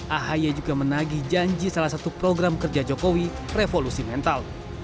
ahaya juga menagi janji salah satu program kerja jokowi revolusi mental